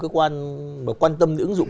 cơ quan mà quan tâm những ứng dụng